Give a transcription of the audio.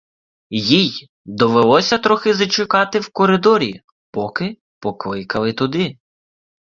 Їй довелося трохи зачекати в коридорі, поки покликали туди.